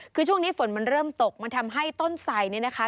คือช่วงนี้ฝนมันเริ่มตกมันทำให้ต้นไสเนี่ยนะคะ